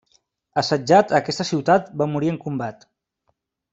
Assetjat a aquesta ciutat va morir en combat.